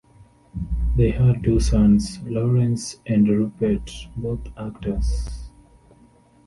They had two sons, Laurence and Rupert, both actors.